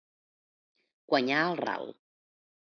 Guanyar el ral.